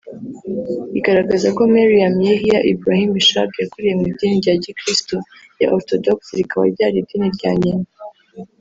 igaragaza ko Meriam Yehya Ibrahim Ishag yakuriye mu Idini ya gikristu ya Orthodox rikaba ryari idini rya nyina